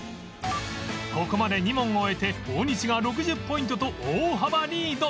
ここまで２問を終えて大西が６０ポイントと大幅リード